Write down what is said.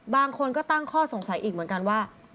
บางคนก็ตั้งข้อสงสัยอีกเหมือนกันว่า